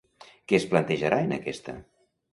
Què es plantejarà en aquesta?